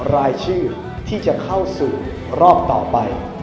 รายชื่อที่จะเข้าสู่รอบต่อไป